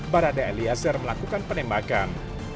barada eliazer melakukan penembakan